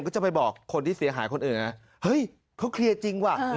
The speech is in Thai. ก็จะไปบอกคนที่เสียหายคนอื่นนะเฮ้ยเขาเคลียร์จริงว่ะ